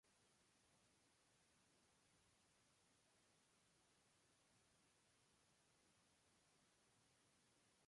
El origen del topónimo "Villa Hidalgo" proviene de la conjunción de "Villa" e "Hidalgo".